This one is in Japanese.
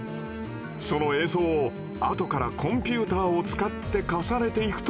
その映像をあとからコンピューターを使って重ねていくと。